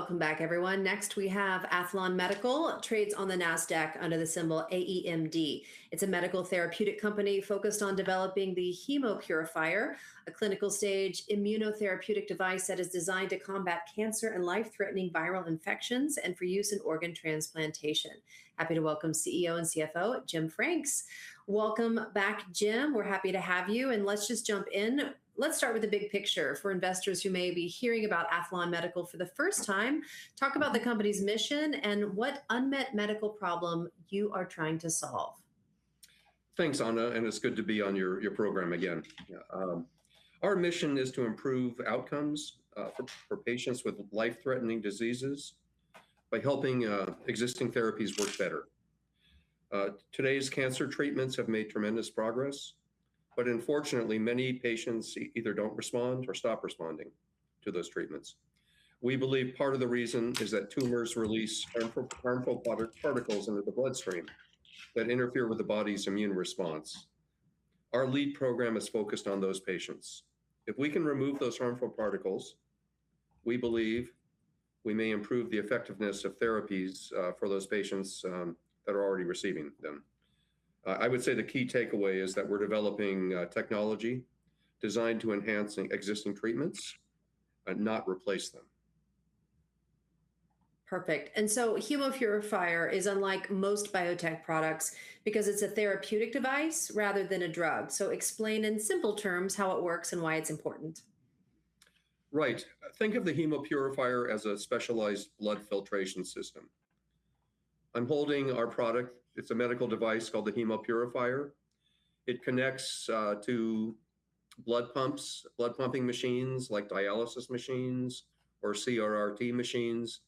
Welcome back, everyone. Next, we have Aethlon Medical, trades on the NASDAQ under the symbol AEMD. It's a medical therapeutic company focused on developing the Hemopurifier, a clinical-stage immunotherapeutic device that is designed to combat cancer and life-threatening viral infections and for use in organ transplantation. Happy to welcome CEO and CFO, Jim Frakes. Welcome back, Jim. We're happy to have you. Let's just jump in. Let's start with the big picture for investors who may be hearing about Aethlon Medical for the first time. Talk about the company's mission and what unmet medical problem you are trying to solve. Thanks, Ana. It's good to be on your program again. Our mission is to improve outcomes for patients with life-threatening diseases by helping existing therapies work better. Today's cancer treatments have made tremendous progress. Unfortunately, many patients either don't respond or stop responding to those treatments. We believe part of the reason is that tumors release harmful particles into the bloodstream that interfere with the body's immune response. Our lead program is focused on those patients. If we can remove those harmful particles, we believe we may improve the effectiveness of therapies for those patients that are already receiving them. I would say the key takeaway is that we're developing technology designed to enhance existing treatments and not replace them. Perfect. Hemopurifier is unlike most biotech products because it's a therapeutic device rather than a drug. Explain in simple terms how it works and why it's important. Right. Think of the Hemopurifier as a specialized blood filtration system. I'm holding our product. It's a medical device called the Hemopurifier. It connects to blood pumps, blood pumping machines like dialysis machines or CRRT machines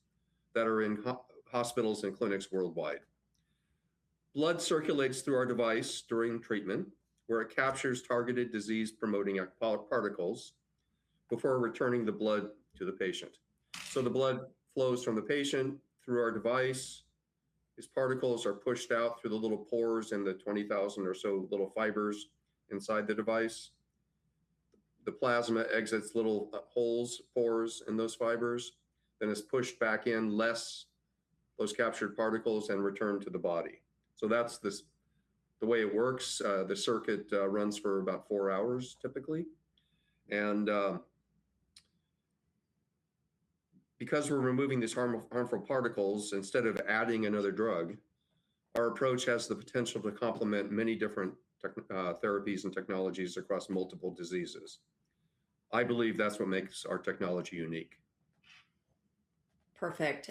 that are in hospitals and clinics worldwide. Blood circulates through our device during treatment, where it captures targeted disease-promoting particles before returning the blood to the patient. The blood flows from the patient through our device. These particles are pushed out through the little pores in the 20,000 or so little fibers inside the device. The plasma exits little holes, pores in those fibers, then is pushed back in, less those captured particles, and returned to the body. That's the way it works. The circuit runs for about four hours typically. Because we're removing these harmful particles instead of adding another drug, our approach has the potential to complement many different therapies and technologies across multiple diseases. I believe that's what makes our technology unique. Perfect.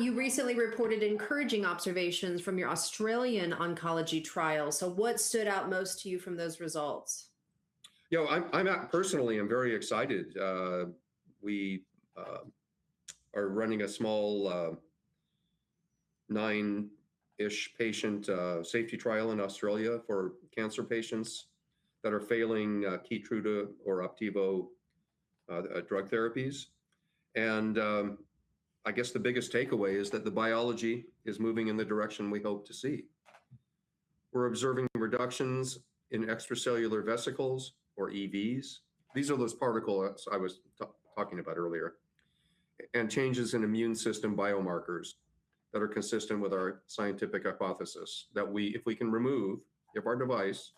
You recently reported encouraging observations from your Australian oncology trial. What stood out most to you from those results? Personally, I'm very excited. We are running a small nine-ish patient safety trial in Australia for cancer patients that are failing Keytruda or Opdivo drug therapies. I guess the biggest takeaway is that the biology is moving in the direction we hope to see. We're observing reductions in extracellular vesicles, or EVs, these are those particles I was talking about earlier, and changes in immune system biomarkers that are consistent with our scientific hypothesis. That if our device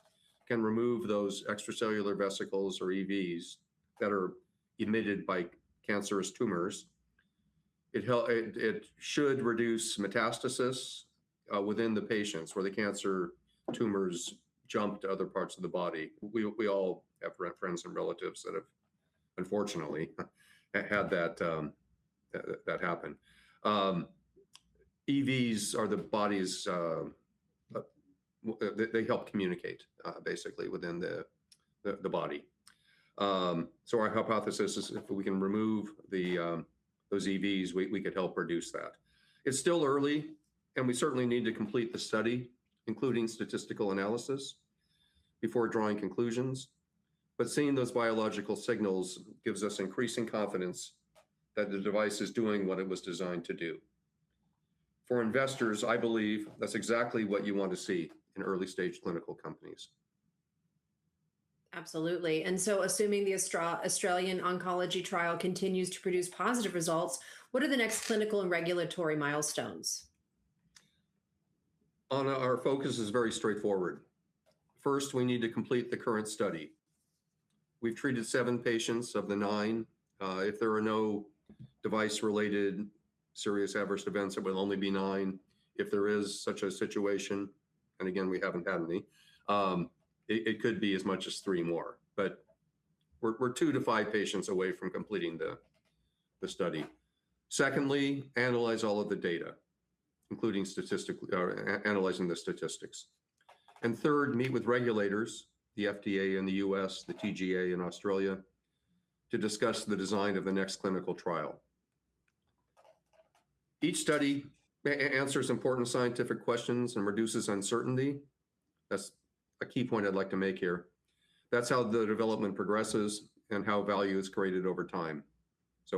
can remove those extracellular vesicles, or EVs, that are emitted by cancerous tumors, it should reduce metastasis within the patients where the cancer tumors jump to other parts of the body. We all have friends and relatives that have, unfortunately, had that happen. EVs, they help communicate basically within the body. Our hypothesis is if we can remove those EVs, we could help reduce that. It's still early, we certainly need to complete the study, including statistical analysis, before drawing conclusions. Seeing those biological signals gives us increasing confidence that the device is doing what it was designed to do. For investors, I believe that's exactly what you want to see in early-stage clinical companies. Absolutely. Assuming the Australian oncology trial continues to produce positive results, what are the next clinical and regulatory milestones? Ana, our focus is very straightforward. First, we need to complete the current study. We've treated seven patients of the nine. If there are no device-related serious adverse events, it will only be nine. If there is such a situation, and again, we haven't had any, it could be as much as three more. We're two to five patients away from completing the study. Secondly, analyze all of the data, including analyzing the statistics. Third, meet with regulators, the FDA in the U.S., the TGA in Australia, to discuss the design of the next clinical trial. Each study answers important scientific questions and reduces uncertainty. That's a key point I'd like to make here. That's how the development progresses and how value is created over time.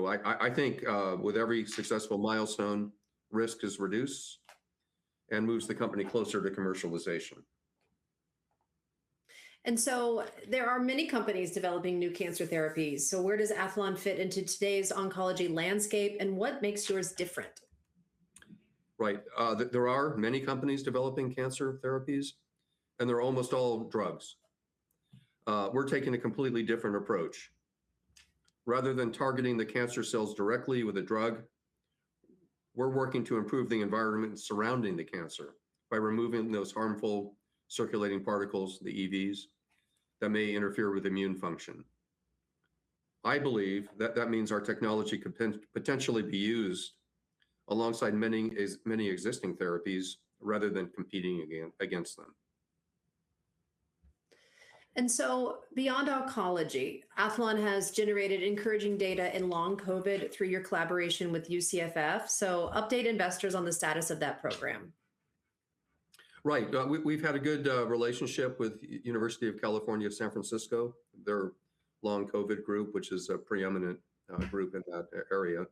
I think with every successful milestone, risk is reduced and moves the company closer to commercialization There are many companies developing new cancer therapies. Where does Aethlon fit into today's oncology landscape, and what makes yours different? Right. There are many companies developing cancer therapies, and they're almost all drugs. We're taking a completely different approach. Rather than targeting the cancer cells directly with a drug, we're working to improve the environment surrounding the cancer by removing those harmful circulating particles, the EVs, that may interfere with immune function. I believe that that means our technology could potentially be used alongside many existing therapies rather than competing against them. Beyond oncology, Aethlon has generated encouraging data in long COVID through your collaboration with UCSF. Update investors on the status of that program. Right. We've had a good relationship with University of California, San Francisco, their long COVID group, which is a preeminent group in that area.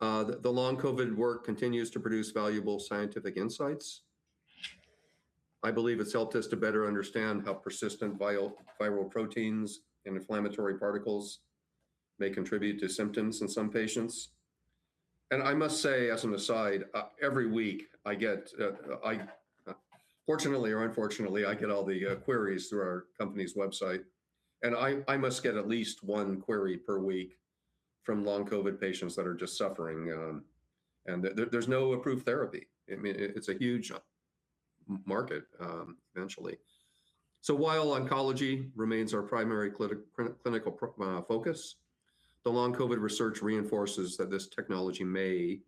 The long COVID work continues to produce valuable scientific insights. I believe it's helped us to better understand how persistent viral proteins and inflammatory particles may contribute to symptoms in some patients. I must say, as an aside, every week, fortunately or unfortunately, I get all the queries through our company's website, and I must get at least one query per week from long COVID patients that are just suffering, and there's no approved therapy. It's a huge market eventually. While oncology remains our primary clinical focus, the long COVID research reinforces that this technology may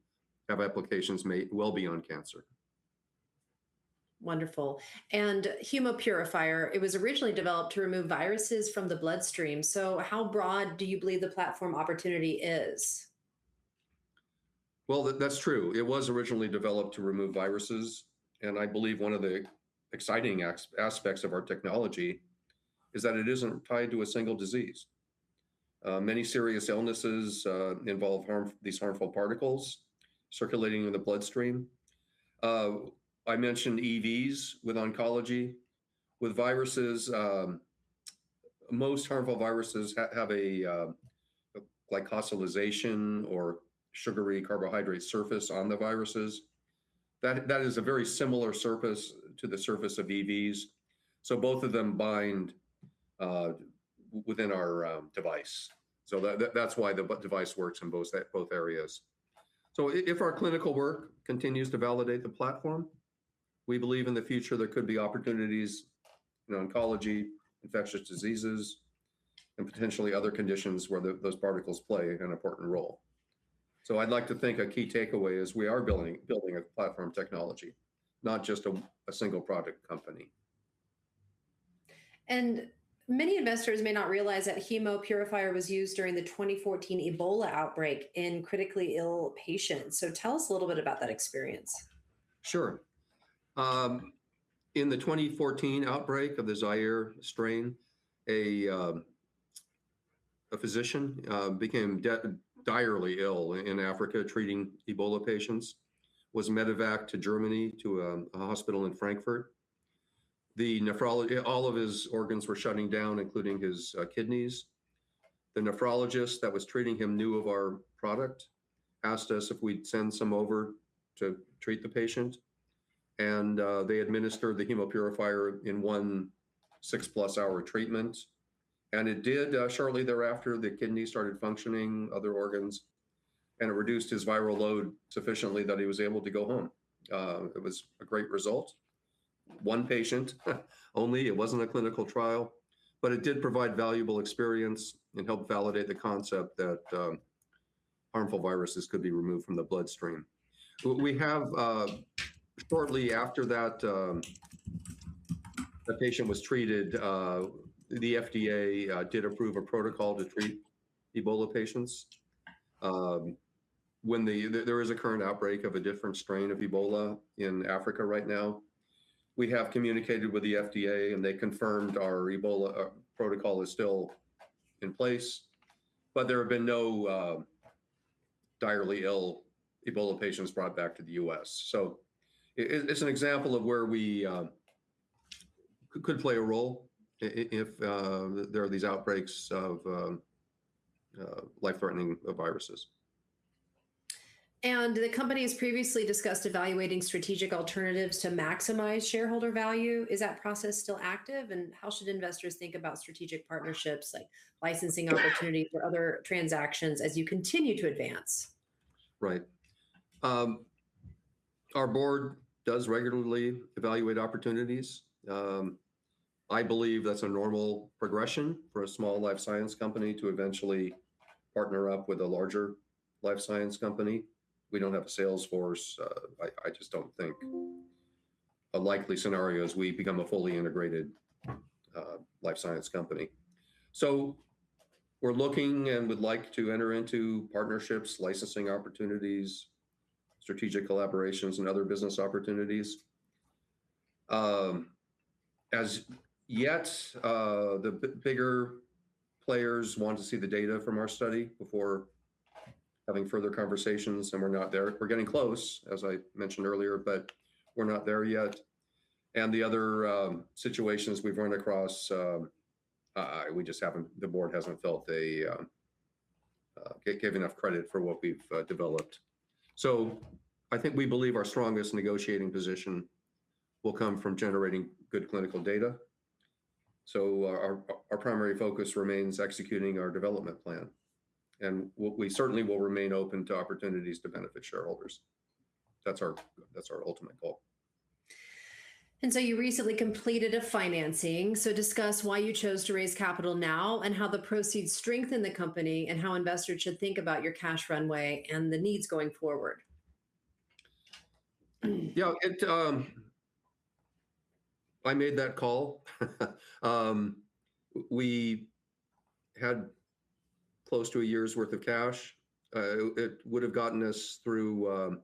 have applications well beyond cancer. Wonderful. Hemopurifier, it was originally developed to remove viruses from the bloodstream. How broad do you believe the platform opportunity is? That's true. It was originally developed to remove viruses, I believe one of the exciting aspects of our technology is that it isn't tied to a single disease. Many serious illnesses involve these harmful particles circulating in the bloodstream. I mentioned EVs with oncology. With viruses, most harmful viruses have a glycosylation or sugary carbohydrate surface on the viruses. That is a very similar surface to the surface of EVs. Both of them bind within our device. That's why the device works in both areas. If our clinical work continues to validate the platform, we believe in the future there could be opportunities in oncology, infectious diseases, and potentially other conditions where those particles play an important role. I'd like to think a key takeaway is we are building a platform technology, not just a single-product company. Many investors may not realize that Hemopurifier was used during the 2014 Ebola outbreak in critically ill patients. Tell us a little bit about that experience. Sure. In the 2014 outbreak of the Zaire strain, a physician became direly ill in Africa treating Ebola patients, was medevaced to Germany to a hospital in Frankfurt. All of his organs were shutting down, including his kidneys. The nephrologist that was treating him knew of our product, asked us if we'd send some over to treat the patient, and they administered the Hemopurifier in one six-plus hour treatment. It did, shortly thereafter, the kidneys started functioning, other organs, and it reduced his viral load sufficiently that he was able to go home. It was a great result. One patient only, it wasn't a clinical trial, but it did provide valuable experience and helped validate the concept that harmful viruses could be removed from the bloodstream. Shortly after that the patient was treated, the FDA did approve a protocol to treat Ebola patients. There is a current outbreak of a different strain of Ebola in Africa right now. We have communicated with the FDA, and they confirmed our Ebola protocol is still in place, but there have been no direly ill Ebola patients brought back to the U.S. It's an example of where we could play a role if there are these outbreaks of life-threatening viruses. The company has previously discussed evaluating strategic alternatives to maximize shareholder value. Is that process still active? How should investors think about strategic partnerships, like licensing opportunities or other transactions as you continue to advance? Our board does regularly evaluate opportunities. I believe that's a normal progression for a small life science company to eventually partner up with a larger life science company. We don't have a sales force. I just don't think a likely scenario is we become a fully integrated life science company. We're looking and would like to enter into partnerships, licensing opportunities, strategic collaborations, and other business opportunities. As yet, the bigger players want to see the data from our study before having further conversations, and we're not there. We're getting close, as I mentioned earlier, but we're not there yet. The other situations we've run across, the board hasn't felt they gave enough credit for what we've developed. I think we believe our strongest negotiating position will come from generating good clinical data. Our primary focus remains executing our development plan. We certainly will remain open to opportunities to benefit shareholders. That's our ultimate goal. You recently completed a financing, so discuss why you chose to raise capital now, and how the proceeds strengthen the company, and how investors should think about your cash runway and the needs going forward. Yeah. I made that call. We had close to a year's worth of cash. It would've gotten us through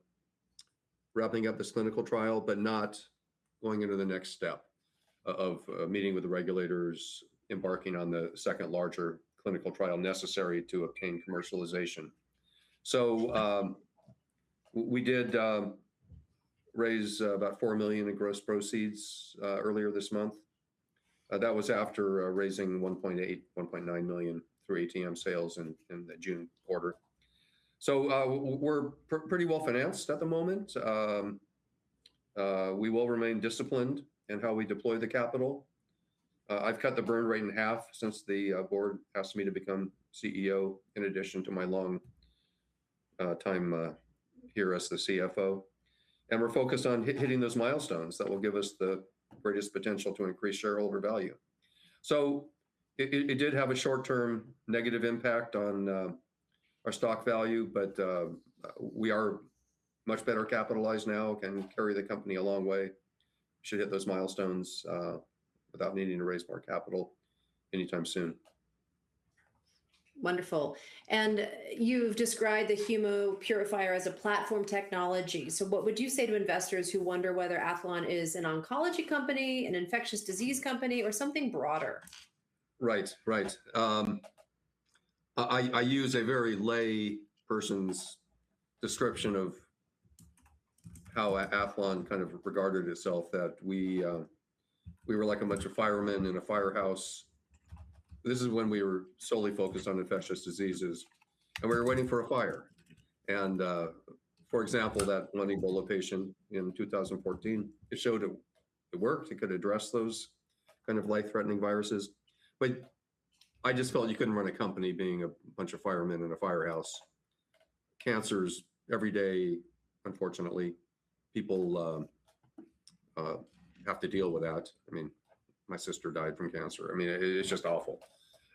wrapping up this clinical trial, but not going into the next step of meeting with the regulators, embarking on the second larger clinical trial necessary to obtain commercialization. We did raise about $4 million in gross proceeds earlier this month. That was after raising $1.8 million, $1.9 million through ATM sales in the June quarter. We're pretty well-financed at the moment. We will remain disciplined in how we deploy the capital. I've cut the burn rate in half since the board asked me to become CEO in addition to my longtime here as the CFO. We're focused on hitting those milestones that will give us the greatest potential to increase shareholder value. It did have a short-term negative impact on our stock value, but we are much better capitalized now, can carry the company a long way. Should hit those milestones without needing to raise more capital anytime soon. Wonderful. You've described the Hemopurifier as a platform technology. What would you say to investors who wonder whether Aethlon is an oncology company, an infectious disease company, or something broader? Right. I use a very lay person's description of how Aethlon kind of regarded itself, that we were like a bunch of firemen in a firehouse. This is when we were solely focused on infectious diseases, and we were waiting for a fire. For example, that one Ebola patient in 2014, it showed it worked, it could address those kind of life-threatening viruses. I just felt you couldn't run a company being a bunch of firemen in a firehouse. Cancers, every day, unfortunately, people have to deal with that. My sister died from cancer. It is just awful.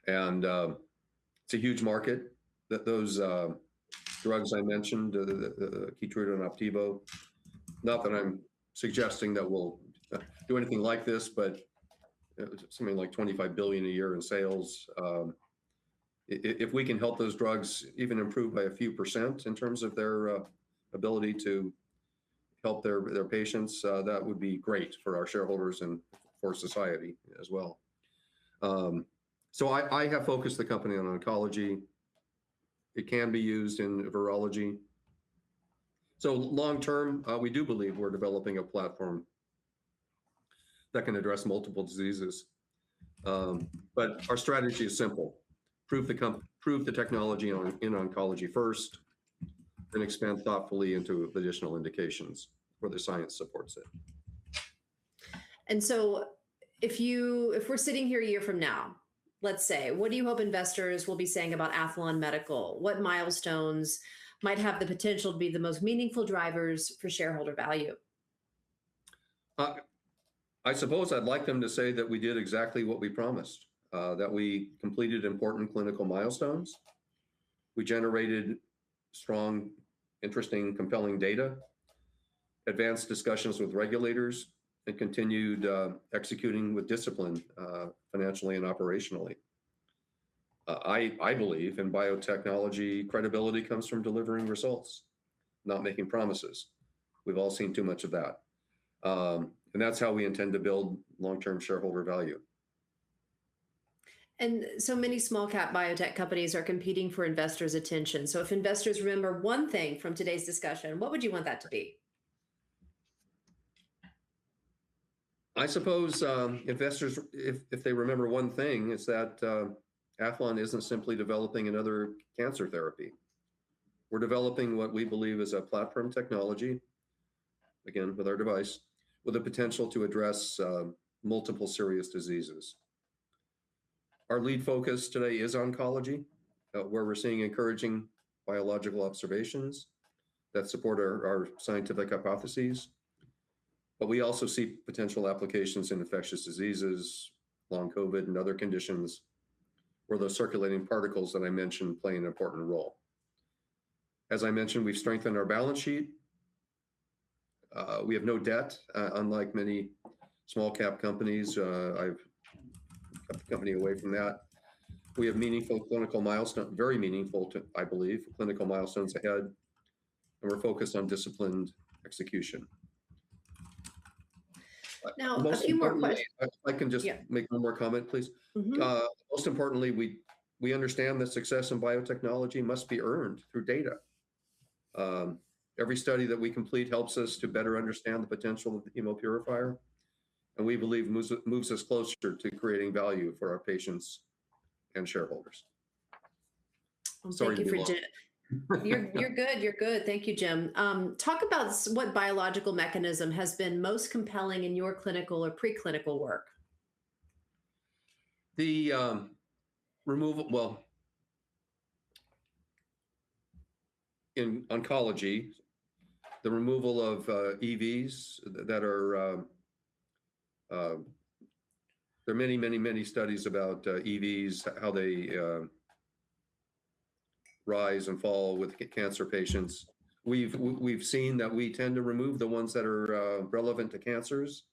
It's a huge market that those drugs I mentioned, the Keytruda and Opdivo. Not that I'm suggesting that we'll do anything like this, but something like $25 billion a year in sales. If we can help those drugs even improve by a few percent in terms of their ability to help their patients, that would be great for our shareholders and for society as well. I have focused the company on oncology. It can be used in virology. Long term, we do believe we're developing a platform that can address multiple diseases. Our strategy is simple. Prove the technology in oncology first, then expand thoughtfully into additional indications where the science supports it. if we're sitting here a year from now, let's say, what do you hope investors will be saying about Aethlon Medical? What milestones might have the potential to be the most meaningful drivers for shareholder value? I suppose I'd like them to say that we did exactly what we promised. That we completed important clinical milestones, we generated strong, interesting, compelling data, advanced discussions with regulators, and continued executing with discipline, financially and operationally. I believe in biotechnology credibility comes from delivering results, not making promises. We've all seen too much of that. That's how we intend to build long-term shareholder value. Many small cap biotech companies are competing for investors' attention. If investors remember one thing from today's discussion, what would you want that to be? I suppose, investors, if they remember one thing, it's that Aethlon isn't simply developing another cancer therapy. We're developing what we believe is a platform technology, again, with our device, with the potential to address multiple serious diseases. Our lead focus today is oncology, where we're seeing encouraging biological observations that support our scientific hypotheses. We also see potential applications in infectious diseases, long COVID, and other conditions where those circulating particles that I mentioned play an important role. As I mentioned, we've strengthened our balance sheet. We have no debt, unlike many small cap companies. I've kept the company away from that. We have meaningful clinical milestones, very meaningful, I believe, clinical milestones ahead, and we're focused on disciplined execution. Now a few more questions. Most importantly, if I can just make one more comment, please. Most importantly, we understand that success in biotechnology must be earned through data. Every study that we complete helps us to better understand the potential of the Hemopurifier, and we believe moves us closer to creating value for our patients and shareholders. Sorry to be long. You're good. Thank you, Jim. Talk about what biological mechanism has been most compelling in your clinical or pre-clinical work. In oncology, the removal of EVs. There are many studies about EVs, how they rise and fall with cancer patients. We've seen that we tend to remove the ones that are relevant to cancers.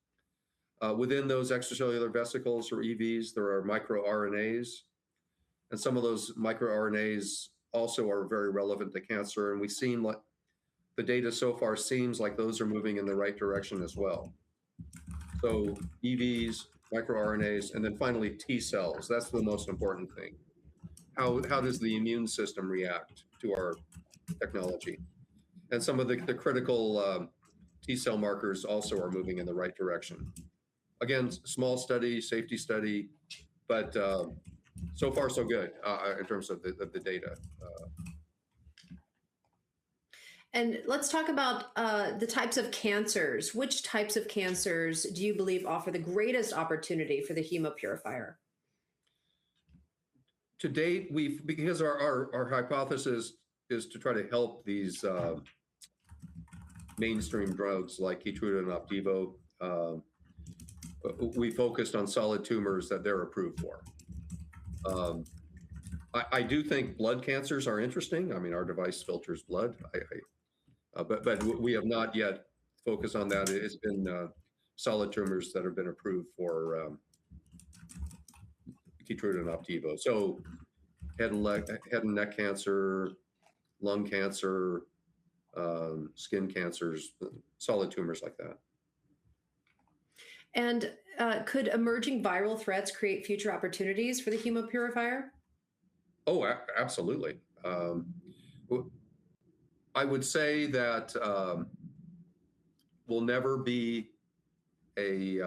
Within those extracellular vesicles, or EVs, there are microRNAs, and some of those microRNAs also are very relevant to cancer, and the data so far seems like those are moving in the right direction as well. EVs, microRNAs, and then finally T cells. That's the most important thing. How does the immune system react to our technology? Some of the critical T cell markers also are moving in the right direction. Again, small study, safety study, but so far so good in terms of the data. Let's talk about the types of cancers. Which types of cancers do you believe offer the greatest opportunity for the Hemopurifier? To date, because our hypothesis is to try to help these mainstream drugs like Keytruda and Opdivo, we focused on solid tumors that they're approved for. I do think blood cancers are interesting. I mean, our device filters blood. We have not yet focused on that. It's been solid tumors that have been approved for Keytruda and Opdivo. Head and neck cancer, lung cancer, skin cancers, solid tumors like that. Could emerging viral threats create future opportunities for the Hemopurifier? Absolutely. I would say that we'll never be a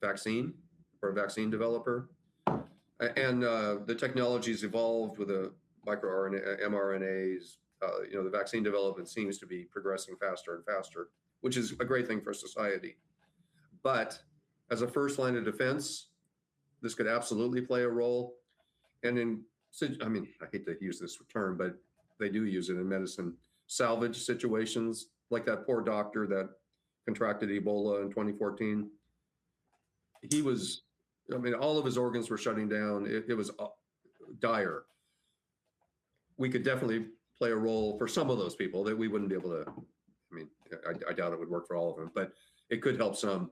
vaccine or a vaccine developer. The technology's evolved with mRNAs. The vaccine development seems to be progressing faster and faster, which is a great thing for society. As a first line of defense, this could absolutely play a role. In, I hate to use this term, but they do use it in medicine, salvage situations, like that poor doctor that contracted Ebola in 2014. I mean, all of his organs were shutting down. It was dire. We could definitely play a role for some of those people, that we wouldn't be able to. I mean, I doubt it would work for all of them, but it could help some.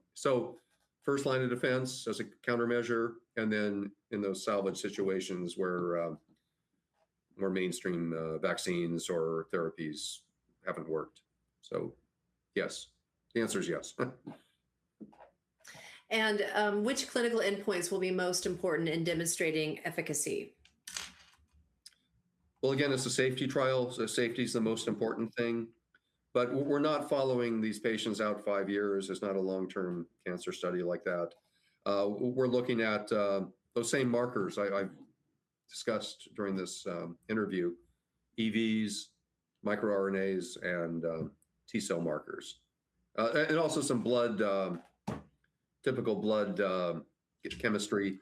First line of defense as a countermeasure, and then in those salvage situations where more mainstream vaccines or therapies haven't worked. Yes, the answer is yes. Which clinical endpoints will be most important in demonstrating efficacy? Well, again, it's a safety trial, so safety's the most important thing. We're not following these patients out five years. It's not a long-term cancer study like that. We're looking at those same markers I discussed during this interview, EVs, microRNAs, and T cell markers. Also some typical blood chemistry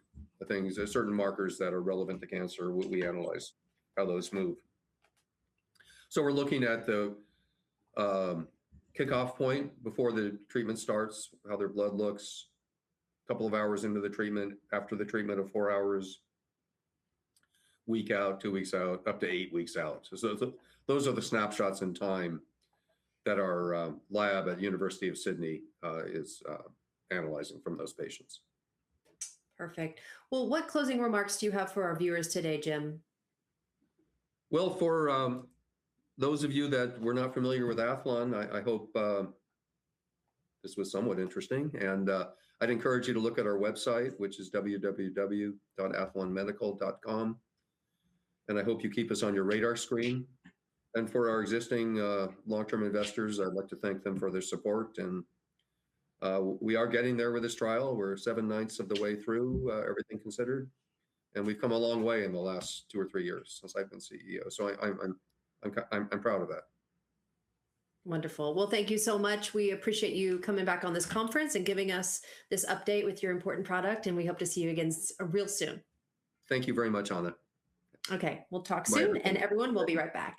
things. There are certain markers that are relevant to cancer, we analyze how those move. We're looking at the kickoff point before the treatment starts, how their blood looks, couple of hours into the treatment, after the treatment of four hours, week out, two weeks out, up to eight weeks out. Those are the snapshots in time that our lab at University of Sydney is analyzing from those patients. Perfect. Well, what closing remarks do you have for our viewers today, Jim? Well, for those of you that were not familiar with Aethlon, I hope this was somewhat interesting. I'd encourage you to look at our website, which is www.aethlonmedical.com, and I hope you keep us on your radar screen. For our existing long-term investors, I'd like to thank them for their support. We are getting there with this trial. We're 7/9 of the way through, everything considered. We've come a long way in the last two or three years since I've been CEO. I'm proud of that. Wonderful. Well, thank you so much. We appreciate you coming back on this conference and giving us this update with your important product. We hope to see you again real soon. Thank you very much, Ana. Okay. We'll talk soon. Everyone, we'll be right back.